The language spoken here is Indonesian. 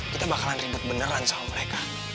kita bakalan ribet beneran sama mereka